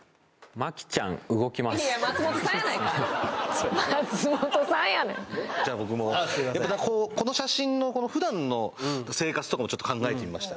松本さんやねんじゃあ僕もこの写真の普段の生活とかもちょっと考えてみました